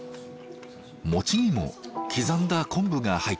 餅にも刻んだ昆布が入っています。